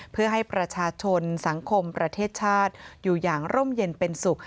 เพื่อให้ประชาชนสังคมประเทศชาติอยู่อย่างร่มเย็นเป็นสุข